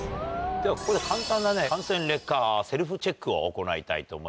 ではここで簡単な汗腺劣化セルフチェックを行いたいと思います。